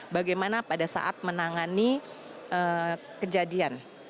bagaimana pada saat menangani kejadian